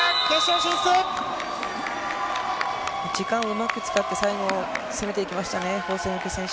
時間をうまく使って、最後、攻めていきましたね、ホウ倩玉選手。